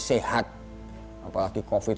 sehat apalagi covid